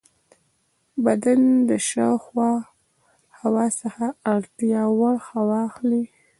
بدن د شاوخوا هوا څخه اړتیا وړ هوا اخلي.